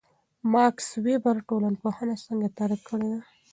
ماکس وِبر ټولنپوهنه څنګه تعریف کړې ده؟